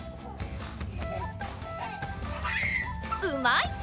うまい！